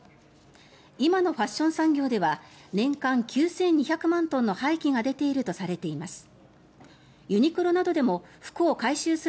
今のファッション産業では年間９２００万トンの廃棄が出ているとされています。